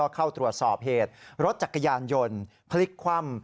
เข้าตรวจสอบเหตุรถจักรยานยนต์พลิกคว่ำ